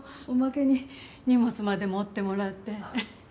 おまけに荷物まで持ってもらって。